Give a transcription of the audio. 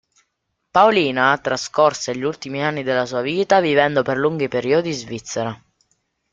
Paolina trascorse gli ultimi anni della sua vita vivendo per lunghi periodi in Svizzera.